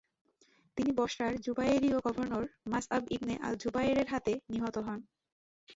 তিনি বসরার জুবায়েরিয় গভর্নর মাস'আব ইবনে আল জুবায়েরের হাতে নিহত হন।